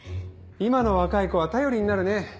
今の若い子は頼りになるね。